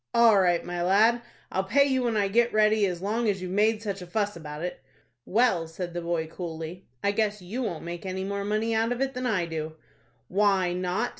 "All right, my lad, I'll pay you when I get ready as long as you've made such a fuss about it." "Well," said the boy, coolly, "I guess you won't make any more out of it than I do." "Why not?"